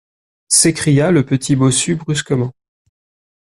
S'écria le petit bossu brusquement.